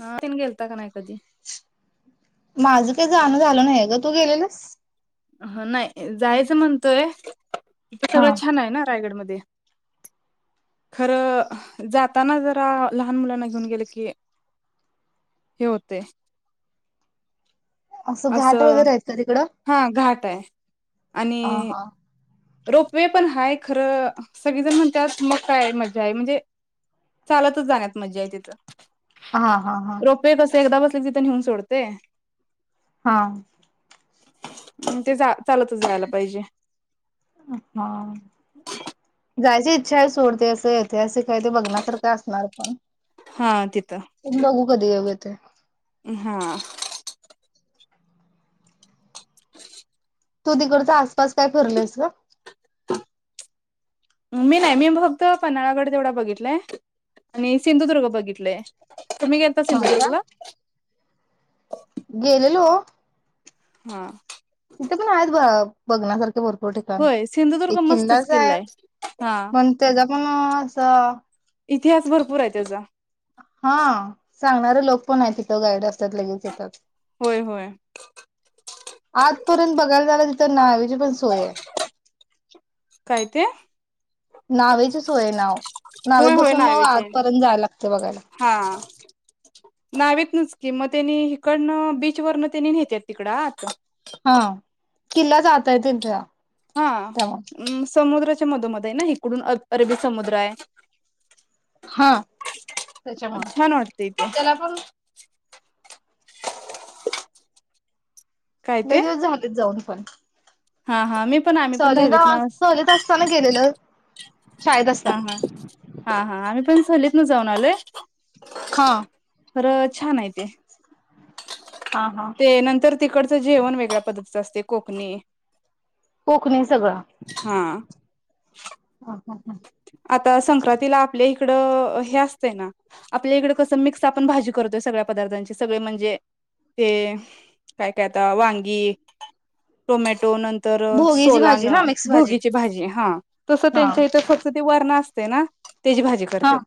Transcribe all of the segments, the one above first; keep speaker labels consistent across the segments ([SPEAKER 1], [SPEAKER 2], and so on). [SPEAKER 1] हा. गेलता का नाही कधी-
[SPEAKER 2] माझं काही जाणं झालं नाही ग, तू गेलेलीस.
[SPEAKER 1] ह नाही जायचं म्हणतोय
[SPEAKER 2] हा
[SPEAKER 1] सगळं छान आहे ना रायगडमध्ये- [inaudible] खरं जाताना जरा लहान मुलांना घेऊन गेले की हे होते
[SPEAKER 2] असं घाट वगैरे आहेत का तिकडं?
[SPEAKER 1] हा घाट आहे
[SPEAKER 2] अ
[SPEAKER 1] आणि
[SPEAKER 2] हा
[SPEAKER 1] रोपवे पण हाय खरं सगळीजण म्हणत्यात मग काय मजा आहे म्हणजे चालतच जाण्यात मजा आहे तिथं
[SPEAKER 2] हा हा हा
[SPEAKER 1] रोपवे कस एकदा बस तिथं नेऊन सोडते
[SPEAKER 2] हा
[SPEAKER 1] मंग ते जा चालतच जायला पाहिजे
[SPEAKER 2] हा जायची इच्छा आहे सोड ते असं ऐतिहासिक आहे ते बघण्यासारखं असणार पण
[SPEAKER 1] हा तिथ
[SPEAKER 2] उम्म बघू कधी येवेत ते
[SPEAKER 1] हा [inaudible]
[SPEAKER 2] तू तिकडचा आस कस काय फरलयस ग
[SPEAKER 1] मी नाही मी फक्त पन्हाळगड तेवढा बघितलाय. आणि सिंधुदुर्ग बघितलंय. तुम्ही गेलता
[SPEAKER 2] हो का
[SPEAKER 1] सिंधुदुर्ग ला?
[SPEAKER 2] गेलेलो
[SPEAKER 1] हा
[SPEAKER 2] तिथे पण आहेत ब बघण्यासारखे भर हो ठिकाण
[SPEAKER 1] होय सिंधुदुर्ग
[SPEAKER 2] एक
[SPEAKER 1] मस्तच
[SPEAKER 2] किल्लाच आहे
[SPEAKER 1] किल्ला हा.
[SPEAKER 2] पण त्याचा पण अ असं
[SPEAKER 1] इतिहास भरपूर आहे त्याचा
[SPEAKER 2] हा सांगणारंलोक पण आहे तिथं गाईडर. त्यात लगेच येतात.
[SPEAKER 1] होय होय
[SPEAKER 2] आतपर्यंत बघायला जायला तर नावेची पण सोय आहे.
[SPEAKER 1] काय ते
[SPEAKER 2] नावेची सोय आहे नाहो. नावेत
[SPEAKER 1] होय होय
[SPEAKER 2] बसून मग
[SPEAKER 1] नावेचे आहे.
[SPEAKER 2] आतपर्यंत जाय लागते बघायला.
[SPEAKER 1] नावेतनचकी मग त्यानी हिकडंन बीचवरन त्यानी नेत्यात तिकडं आ आता
[SPEAKER 2] हा किल्ला जातय तिथं
[SPEAKER 1] हा अम्म समुद्र मधोमध आहे ना, हिकडून अर अरबी समुद्र आहे.
[SPEAKER 2] हा
[SPEAKER 1] छान
[SPEAKER 2] त्याच्यामुळे
[SPEAKER 1] वाटते इथे
[SPEAKER 2] त्याला पण
[SPEAKER 1] काय ते
[SPEAKER 2] लई दिवस झालेत जाऊन पण
[SPEAKER 1] हा हा मी पण आम्ही पण
[SPEAKER 2] सहलीला
[SPEAKER 1] दहावीत ना
[SPEAKER 2] सलीत असताना गेलेल.
[SPEAKER 1] हा हा, हा हा आम्ही पण सलीत न जाऊन आलोय.
[SPEAKER 2] हा.
[SPEAKER 1] खरं छान आहे ते.
[SPEAKER 2] हा हा
[SPEAKER 1] ते नंतर तिकड जेवण वेगळ्या पद्धतीच असतय कोकणी.
[SPEAKER 2] कोकणी सगळं,
[SPEAKER 1] हा
[SPEAKER 2] हा. [unintelligible]
[SPEAKER 1] आता संक्रांतीला आपल्या इकडं हे असतय ना आपल्या इकड कस मिक्स आपण भाजी करतोय सगळ्या पदार्थांची सगळे म्हणजे ते काय काय आता वांगी, टोमॅटो नंतर
[SPEAKER 2] भोगीची
[SPEAKER 1] सोलान
[SPEAKER 2] भाजी ना मिक्स
[SPEAKER 1] भोगीची भाजी हा तस
[SPEAKER 2] हा
[SPEAKER 1] त्यांच्या इथ फक्त पण असतय ना. तेजी भाजी
[SPEAKER 2] हा
[SPEAKER 1] करत्यात.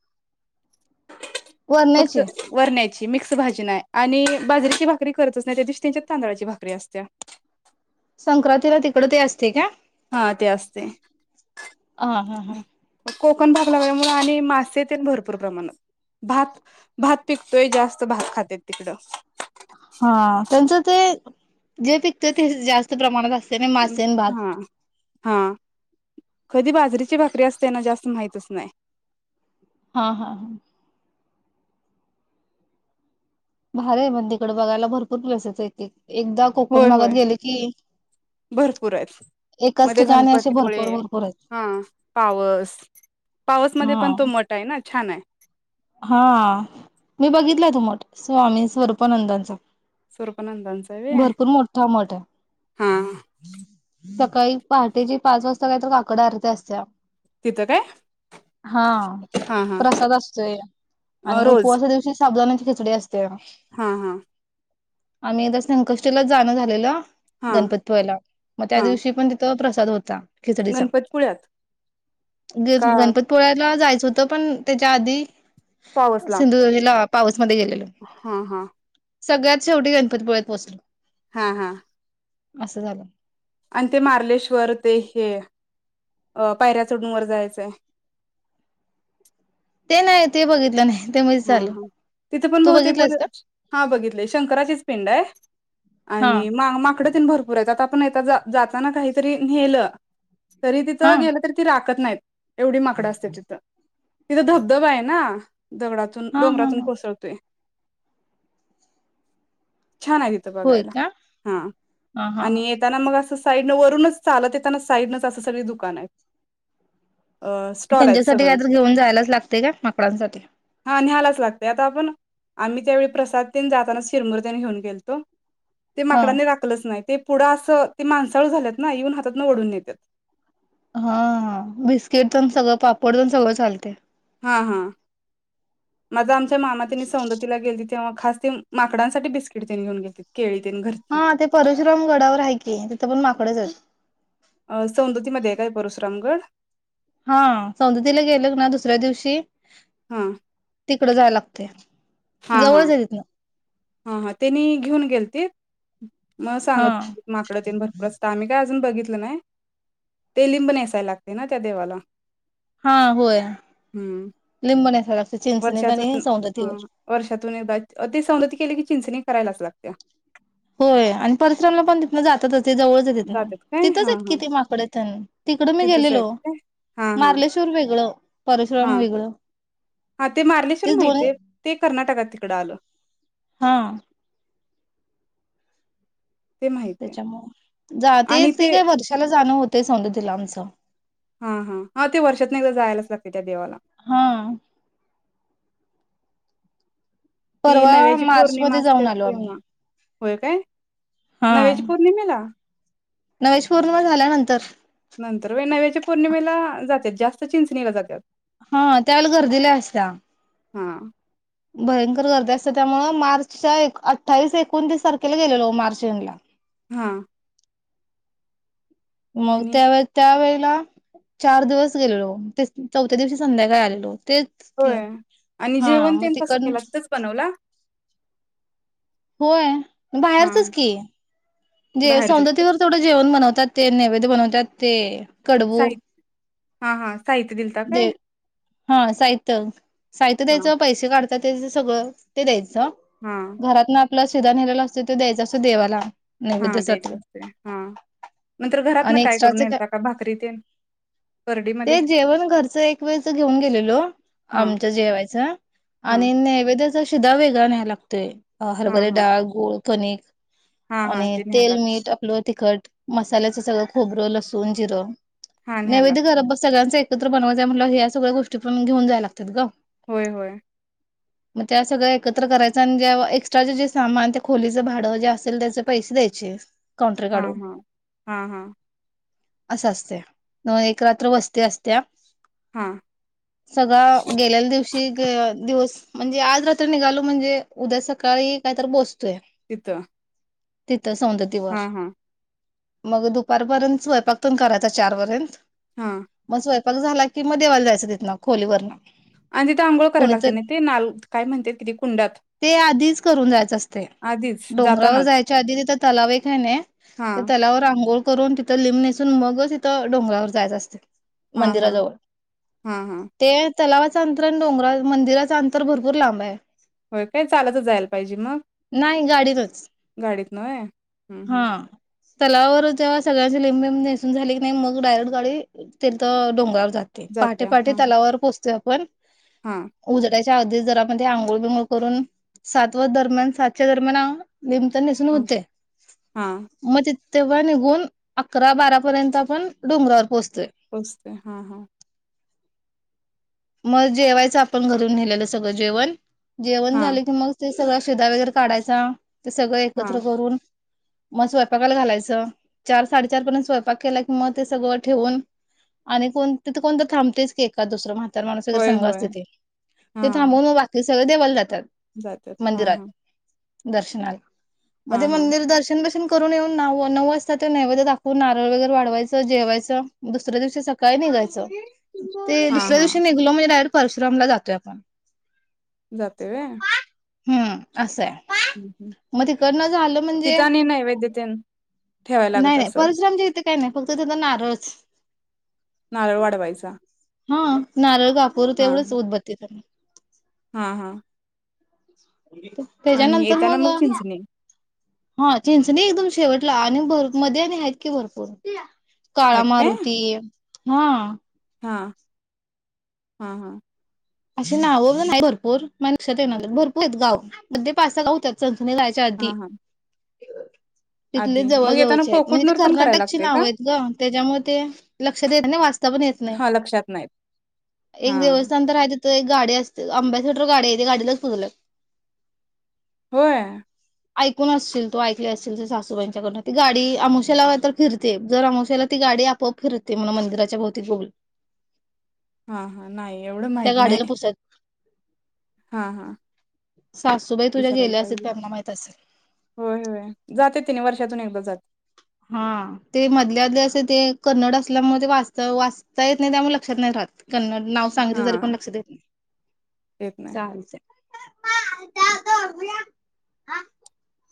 [SPEAKER 1] फक्त
[SPEAKER 2] वरण्याची
[SPEAKER 1] वरण्या मिक्स भाजी नाय आणि बाजरीची भारी करतच नाही त्या दिवशी त्यांच्यात तांदळाची भाकरी असत्या.
[SPEAKER 2] संक्रांतीला तिकड ते असतय का?
[SPEAKER 1] हा ते असतय.
[SPEAKER 2] ह हा हा.
[SPEAKER 1] कोकण भाग लागल्यामुळे आणि मासे तेन भरपूर प्रमाणात भात, भात पिकतोय जास्त भात खात्यात तिकडं.
[SPEAKER 2] हा त्यांचं ते जे पिकतं ते जास्त प्रमाणात असते नय मासे आणि भात.
[SPEAKER 1] हा हा, कधी बाजरीची भाकरी असते ना जास्त माहितच नाही
[SPEAKER 2] हा हा हा. भारी आहे म तिकड बघायला भरपूर प्लेसेस आहेेत की.
[SPEAKER 1] होय होय, भरपूर आहेत म
[SPEAKER 2] एकाच
[SPEAKER 1] ते
[SPEAKER 2] ठिकाणी असे
[SPEAKER 1] गणपतीपुळे
[SPEAKER 2] भरपूर भरपूर आहेत.
[SPEAKER 1] हा पावस पावसमध्ये पण तो
[SPEAKER 2] हा
[SPEAKER 1] मठ आहे ना. छान आहे.
[SPEAKER 2] हा, मी बघितलंय तो मठ स्वामी स्वरूपानंदांचा.
[SPEAKER 1] स्वरूपानंदांचा आहे व्हय
[SPEAKER 2] भरपूर मोठा मठ आहे
[SPEAKER 1] हा
[SPEAKER 2] [unintelligible] काही पहाटेची पाच वाजता काही तर काकड आरती असत्या.
[SPEAKER 1] तिथं काय
[SPEAKER 2] हा
[SPEAKER 1] हा
[SPEAKER 2] प्रसाद असतोय
[SPEAKER 1] हा
[SPEAKER 2] आणि
[SPEAKER 1] रोज
[SPEAKER 2] उपवासा दिवशी साबुदाण्याची खिचडी अस
[SPEAKER 1] हा हा.
[SPEAKER 2] आम्ही एकदा संकष्टीलाच जाणं झालेलं.
[SPEAKER 1] हा
[SPEAKER 2] गणपती मग त्या
[SPEAKER 1] हा
[SPEAKER 2] दिवशी प्रसाद होता खिचडीचा
[SPEAKER 1] गणपतीपुळ्यात
[SPEAKER 2] ग
[SPEAKER 1] का
[SPEAKER 2] गणपतपुळ्याला जायच होत पण त्याच्या आधी
[SPEAKER 1] पावसला
[SPEAKER 2] सिंधुदुर्ग हेला
[SPEAKER 1] हा हा
[SPEAKER 2] सगळ्यात शेवटी गणपतीपुळ्यात बसलो
[SPEAKER 1] हा हा
[SPEAKER 2] असं झालं
[SPEAKER 1] आणि ते मार्लेश्वर ते हे अ पायऱ्या चढून जायचंय
[SPEAKER 2] ते नाही ते बघितलं नाही ते मधीच
[SPEAKER 1] हा
[SPEAKER 2] आलं.
[SPEAKER 1] हा तिथे पण
[SPEAKER 2] तू
[SPEAKER 1] बहते ब
[SPEAKER 2] बघितलास का?
[SPEAKER 1] हा बघितले शंकराचीच पिंड आहे
[SPEAKER 2] हा
[SPEAKER 1] आणि माकड भरपूर आहेतण जाताना काहीतरी नेलं तरी
[SPEAKER 2] हा
[SPEAKER 1] तिथं गेलं तरी ती रा टाकत नाहीत एवढी माकडं असते तिथं तिथं धबधबा आहे ना दगडातून
[SPEAKER 2] हा हा
[SPEAKER 1] डोंगरातून
[SPEAKER 2] हा
[SPEAKER 1] कोसळतोय छान आहे तिथं
[SPEAKER 2] होय
[SPEAKER 1] बघायला
[SPEAKER 2] का?
[SPEAKER 1] हा
[SPEAKER 2] हा हा
[SPEAKER 1] आणि
[SPEAKER 2] हा
[SPEAKER 1] येताना मग अस साईड न वरूनच चालत येताना साईडनच असं सगळी दुकान आहेत अ स्टॉल आहेत
[SPEAKER 2] त्यांच्यासाठी काय
[SPEAKER 1] सगळं
[SPEAKER 2] तर घेऊन जायलाच लागते का माकडांसाठी
[SPEAKER 1] हा निहालाच लागतय आता आपण आम्ही त्यावेळी प्रसादन जातानाच शिरमूरतेने घेऊन गेलतो ते
[SPEAKER 2] हा
[SPEAKER 1] माकडाने राकलंच नाही ते पुढं असं ते माणसाळ झाल्यात ना इवन हातातून ओढून येतात
[SPEAKER 2] हा बिस्किट पण सगळं पापड पण सगळं चालते
[SPEAKER 1] हा हा मझमच मामा त्यांनी सौंदतीला गेलतीत तेव्हा खास ते माकडांसाठी बिस्किट तनी घेऊन घेलतील
[SPEAKER 2] हा ते परशुराम गडावर आहे की तिथं पण माकडच आहेत
[SPEAKER 1] अ सौंदतीमध्येध्ये आहे काय परशुरामगड
[SPEAKER 2] हा सौंदतीला गेल ना दुसऱ्या दिवशी
[SPEAKER 1] हा
[SPEAKER 2] तिकडं जाय लाग ओके
[SPEAKER 1] हा हा
[SPEAKER 2] जवळच आहेतिथं न
[SPEAKER 1] हा हा त्यांनी घेऊन गेलतीत मग
[SPEAKER 2] हा
[SPEAKER 1] सांगत माकड तेन भरूरचं आम् काय बघ नाही ते लिंब नेसायला लागते. ना त्या देवाला
[SPEAKER 2] हा होय
[SPEAKER 1] ह
[SPEAKER 2] लिंबन यायला लागतंय चिंचणीत आणि
[SPEAKER 1] वर्षातून हा
[SPEAKER 2] सौंदतीवर.
[SPEAKER 1] वर्षातून एकदा ते सज चिंच करायलाच लागते.
[SPEAKER 2] होय आणि परसराम पण तिथन जातातच. ते जवळच येतेत ना
[SPEAKER 1] जात्यात काय
[SPEAKER 2] तिथंच
[SPEAKER 1] हा
[SPEAKER 2] येत कि
[SPEAKER 1] हा
[SPEAKER 2] ते माकडडे ण तिकडं मी
[SPEAKER 1] तिथंच आहेत
[SPEAKER 2] गेलेलो
[SPEAKER 1] काय हा हा
[SPEAKER 2] मार्लेश्वर वेगळं
[SPEAKER 1] हा
[SPEAKER 2] परशुराम वेगळं
[SPEAKER 1] हा ते मारलेश्वर
[SPEAKER 2] ते
[SPEAKER 1] माहित
[SPEAKER 2] दोन्ही
[SPEAKER 1] आहे ते कर्नाटकात तिकड आलं.
[SPEAKER 2] हा
[SPEAKER 1] ते माहितीये
[SPEAKER 2] त्याच्यामुळे ते काय वर्षाला जाणं होत. ते सौंदत्ती आमचं
[SPEAKER 1] हा हा हा ते वर्षात एकदा जायलाच लागते त्या देवाला
[SPEAKER 2] हा
[SPEAKER 1] ती
[SPEAKER 2] परवा
[SPEAKER 1] नव्याची
[SPEAKER 2] मार्च
[SPEAKER 1] पौर्णिमा
[SPEAKER 2] मध्ये
[SPEAKER 1] असते
[SPEAKER 2] जाऊन आलो. आम्ही
[SPEAKER 1] तेव्हा. होय काय
[SPEAKER 2] हा
[SPEAKER 1] नव्याची पौर्णिमेला
[SPEAKER 2] नवेश पूर्ण झाल्यानंतर
[SPEAKER 1] नंतर व नव्याच्या पौर्णिमेला जातात जास्त चिंचनेला जात
[SPEAKER 2] हा त्यावेळेला गर्दी लय असतीया.
[SPEAKER 1] हा
[SPEAKER 2] भयंकर गर्दी असतं त्यामुळ मार्चच्या अठ्ठावीस एकोणतीस तारखेला गेलेलो मार्च एंडला
[SPEAKER 1] हा
[SPEAKER 2] मग त्या वेळेत त्या वेळेत तुला चार दिवस गेलेलो चौथ्या दिवशी संध्याकाळ आलेलो. तेच की
[SPEAKER 1] होय आणि
[SPEAKER 2] हा
[SPEAKER 1] जेवण
[SPEAKER 2] मग
[SPEAKER 1] तेन कस
[SPEAKER 2] तिकडन
[SPEAKER 1] केलं तिथंच बनवलं.
[SPEAKER 2] होय बाहेरचच
[SPEAKER 1] हां,
[SPEAKER 2] की जेव
[SPEAKER 1] बाहेर
[SPEAKER 2] सौंदत्ती
[SPEAKER 1] जायचं.
[SPEAKER 2] वर तेवढं जेवण बनवतात ते नैवेद्य बनवतात. ते कडवू
[SPEAKER 1] साहि हां, हां. साहित्य दिलता काय?
[SPEAKER 2] दे हा साहित्य साहित्य
[SPEAKER 1] हां,
[SPEAKER 2] द्यायचं पैसे काढत. त्याच सगळं ते द्यायचं.
[SPEAKER 1] हां.
[SPEAKER 2] घरात ना आपला सिदा नेलेला असतो तो द्यायचा. देवाला नैवेद
[SPEAKER 1] हां, द्यायचं असतंय. हां. नंतर घरातनं
[SPEAKER 2] आणि
[SPEAKER 1] काय करून
[SPEAKER 2] एक्स्ट्राच का
[SPEAKER 1] नेलता भाकरी तेन करडीमध्ये?
[SPEAKER 2] ते जेवण घरच एक वेळेच घेऊन गेलेलो.
[SPEAKER 1] हां,
[SPEAKER 2] आमच्या जेवायच
[SPEAKER 1] हां.
[SPEAKER 2] आणि नैवेद्य शिदा वेगळा मिळायला लागतोय. अ
[SPEAKER 1] हां,
[SPEAKER 2] हरभरी
[SPEAKER 1] हां.
[SPEAKER 2] डाळ गोळ कनेक
[SPEAKER 1] हां, हां.
[SPEAKER 2] आणि
[SPEAKER 1] ते न्यायला
[SPEAKER 2] तेल,
[SPEAKER 1] लाग
[SPEAKER 2] मीठ आपलं तिखट मसाल्याचं सगळं खोबरं, लसूण, जिरं
[SPEAKER 1] हां, न्यायला
[SPEAKER 2] नैवेद्य खर
[SPEAKER 1] लागतं.
[SPEAKER 2] बस सगळ्यांच एक कायतर बनवायच म्हटल्यावर ह्या सगळ्या गोष्टी घेऊन जाव्या लागातात गं.
[SPEAKER 1] होय होय
[SPEAKER 2] मग त्या सगळं एकत्र करायचं आणि जे एक्स्ट्राचे जे सामान त्या खोलीचं भाडं जे असेल त्याच पैसे द्यायचे. काउंटर
[SPEAKER 1] हा
[SPEAKER 2] काढून
[SPEAKER 1] हम् हा हा
[SPEAKER 2] असं असते न एक रात्र वस्ती असत्या.
[SPEAKER 1] हा
[SPEAKER 2] सगळा गेलेल्या दिवशी दिवस म्हणजे आज रात्र निघालो म्हणजे उद्या सकाळी कायतर पोहच
[SPEAKER 1] तिथं, हा
[SPEAKER 2] सौंदतीवर
[SPEAKER 1] हा
[SPEAKER 2] मग दुपारपर्यंत स्वयंपाक पण करायचा चारपर्यंत
[SPEAKER 1] हा
[SPEAKER 2] मग स्वय पाक झाला की देवाला जायचं तिथं खोलीवरन
[SPEAKER 1] आणि तिथे आंघोळ करायला लागते ना ते नाल काय म्हणते किती कुंडात
[SPEAKER 2] ते आधीच करून जायचं अस ते
[SPEAKER 1] आधीच
[SPEAKER 2] डोंगरावर
[SPEAKER 1] जातानाच
[SPEAKER 2] जायच. आधी तिथं तलाव एक आहे नाही.
[SPEAKER 1] हा
[SPEAKER 2] त्या तलावावर आं गोळ करून तिथं लिंब नेसून मगच तिथं डोंगरावर जायच असते.
[SPEAKER 1] हा हा
[SPEAKER 2] मंदिराजवळ
[SPEAKER 1] हा हा
[SPEAKER 2] ते तलावाचं अंतर आणि डोंगरा मंदिराचा अंतर भरपूर लांब आहे.
[SPEAKER 1] होय काय चालत जायला पाहिजे मग
[SPEAKER 2] नाही गाडीनच
[SPEAKER 1] गाडीत होय हम्म हम्म
[SPEAKER 2] हा. तलावावर जेव्हा सगळ्यांची लिंब बिंब नेसून झाले की नाही मग डायरेक्ट गाडी तेथं डोंगरावर जाते पहाटे
[SPEAKER 1] जात्या
[SPEAKER 2] पहाटे
[SPEAKER 1] हा
[SPEAKER 2] तलावावर पोहचते. पण
[SPEAKER 1] हा
[SPEAKER 2] उजडायच आधीच जरामध्ये आंघोळ बिघोळ करून सातव दरम्यान सातच्या दरम्यान लिंब तेन नेसुण
[SPEAKER 1] हा
[SPEAKER 2] होते.
[SPEAKER 1] हा
[SPEAKER 2] मग तिथ तेव्हा निघून अकरा बारा पर्यंत आपण डोंगरावर पोहोचतो
[SPEAKER 1] बस्ते हा हा
[SPEAKER 2] मग जेवायचं आपण घरून नेलेलं सगळं जेवण जेवण
[SPEAKER 1] हा
[SPEAKER 2] झाले क मग ते'--' सगळा शिदा वगैरे काढायचा ते सगळं
[SPEAKER 1] हा
[SPEAKER 2] एकत्र करून'--' मग स्वयंपाकाला घालायचं चार साडेचार पर्यंत स्वयंपाक केला की मग ते सगळं ठेवून आणि कोण तिथं कोणतर थांबतेच की एका दुसरं म्हातारा तर माणस वगैरे [unintelligible]
[SPEAKER 1] होय
[SPEAKER 2] संघ
[SPEAKER 1] होय
[SPEAKER 2] असते ते थांबवून मग बाकीच सगळं देवाला [unintelligible]
[SPEAKER 1] जात्यात हा
[SPEAKER 2] मंदिरात
[SPEAKER 1] हा
[SPEAKER 2] दर्शनाला
[SPEAKER 1] हा
[SPEAKER 2] मध्येे
[SPEAKER 1] हा
[SPEAKER 2] मंदिर दर्शन ब'--' करून येऊन न - नऊ वाजता ते नैववेद्य दाखून नारळ वगैरे वाढवायचं जेवायचं दुसऱ्या दिवशी सकाळी निघायचं ते [inaudible]
[SPEAKER 1] हा
[SPEAKER 2] दुसऱ्या
[SPEAKER 1] हा
[SPEAKER 2] दिवशी'--' - डायरेक्ट परशुरामला जातोय आपण
[SPEAKER 1] जातोय होय
[SPEAKER 2] हम्म असाय
[SPEAKER 1] - तिथ आणि नैवेद्यतेन ठेवाय लागत
[SPEAKER 2] नाही नाही
[SPEAKER 1] अस
[SPEAKER 2] परशुरामच्या इथे काही नाही फक्त तिथ नारळच
[SPEAKER 1] नारळ
[SPEAKER 2] हम
[SPEAKER 1] वाढवायचा
[SPEAKER 2] [unintelligible] हा नारळ'--' दाखवतो
[SPEAKER 1] हा
[SPEAKER 2] तेवढंच उद्बत्ते [unintelligible]
[SPEAKER 1] हा हा
[SPEAKER 2] [inaudible]
[SPEAKER 1] आणि
[SPEAKER 2] त्याच्यानंतर
[SPEAKER 1] येताना
[SPEAKER 2] मग
[SPEAKER 1] चिंचणी
[SPEAKER 2] हा चिंचणी एकदम शेवटला आणि भर - मध्ये आणि आहेत की भरपूर [inaudible] काळा
[SPEAKER 1] आहेत काय?
[SPEAKER 2] मारुती हा
[SPEAKER 1] हा हा हा
[SPEAKER 2] अशी नाव [inaudible] वरून हाईत -भरपूर माझ्या लक्षात येईना झाल्यात भरपूर आहेत गाव तरी पाच-सहा गाव होतात आम्ही जायच्या आधी
[SPEAKER 1] हा हा
[SPEAKER 2] हे [unintelligible] तिथले
[SPEAKER 1] आधी मग येताना
[SPEAKER 2] जवळजवळचे आहेत म्हणजे ते
[SPEAKER 1] कोकुटनूर पण करायला
[SPEAKER 2] कर्नाटकची
[SPEAKER 1] लागतय
[SPEAKER 2] नाव
[SPEAKER 1] का?
[SPEAKER 2] आहेत ग त्याच्यामुळे ते लक्षात येत नाही वाचता पण येत नाही
[SPEAKER 1] हा लक्षात नाहीत
[SPEAKER 2] एक
[SPEAKER 1] हा
[SPEAKER 2] देवस्थान तर हाय त्याचं'--' तो एक गाडी असते आंबेसिटर गाडी आहे त्या गाडीला पुजलोय
[SPEAKER 1] होय
[SPEAKER 2] ऐकून असतील तो ऐकले असेल सासूबाईंच्याकडन ती गाडी आमोश्याला तर फिरते जर आमोश्याला ती गाडी आपोआप फिरते म्हणून मंदिराच्या भोवती गोल
[SPEAKER 1] हा हा नाही एवढं
[SPEAKER 2] त्या
[SPEAKER 1] माहिती
[SPEAKER 2] गाडीला
[SPEAKER 1] नाही
[SPEAKER 2] पुजतात
[SPEAKER 1] हा हा
[SPEAKER 2] सासूबाई तुझ्या
[SPEAKER 1] विचारायला
[SPEAKER 2] गेल्या असतील
[SPEAKER 1] पाहिजे
[SPEAKER 2] त्यांना माहित असेल
[SPEAKER 1] होय होय जातात त्यांनी वर्षातून एकदा जातात
[SPEAKER 2] हा ते मधल्याध असं ते कन्नड असल्यामुळे ते वाच वाचता येत नाही त्यामुळे लक्षात नाही राहत कन्नड नाव सांगितलं
[SPEAKER 1] हा
[SPEAKER 2] तरी पण लक्षात देत नाही
[SPEAKER 1] येत नाही
[SPEAKER 2] चालचं हा